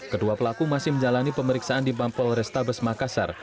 kedua pelaku masih menjalani pemeriksaan di mampol restabes makassar